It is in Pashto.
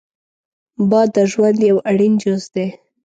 باد د ژوند یو اړین جز دی